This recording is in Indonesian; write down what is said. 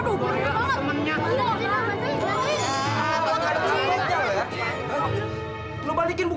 aduh tuh pada keluar loh